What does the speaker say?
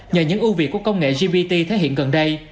nhờ những ưu việt của công nghệ gpt thể hiện gần đây